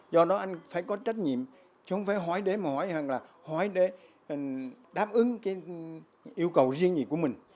do đó anh phải có trách nhiệm chứ không phải hỏi để mà hỏi hỏi để đáp ứng yêu cầu riêng gì của mình